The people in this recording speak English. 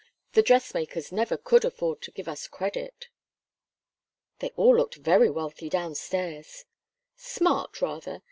The dressmakers never could afford to give us credit." "They all looked very wealthy down stairs." "Smart, rather.